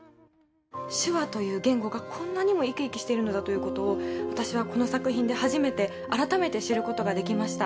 手話という言語がこんなにも生き生きしているのだということを私はこの作品で初めて改めて知ることができました。